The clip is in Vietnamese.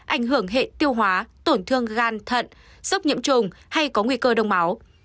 ảnh hưởng hệ tiêu hóa tổn thương gan thận sốc nhiễm trùng hay có nguy cơ đông máu